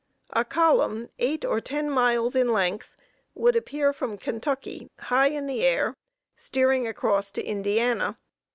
A column, eight or ten miles in length, would appear from Kentucky, high in air, steering across to Indiana.